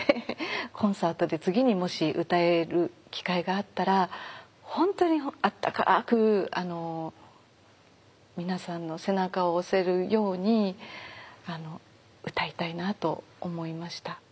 コンサートで次にもし歌える機会があったら本当にあったかく皆さんの背中を押せるように歌いたいなと思いました。